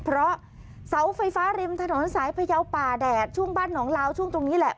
เพราะเสาไฟฟ้าริมถนนสายพยาวป่าแดดช่วงบ้านหนองลาวช่วงตรงนี้แหละ